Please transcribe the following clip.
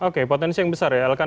oke potensi yang besar ya